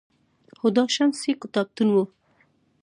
هُدا شمس یې کتابتون و